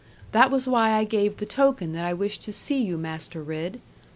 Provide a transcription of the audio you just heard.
That was why I gave the token that I wished to see you, Master Ridd.